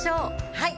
はい！